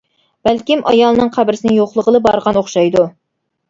بەلكىم ئايالىنىڭ قەبرىسىنى يوقلىغىلى بارغان ئوخشايدۇ.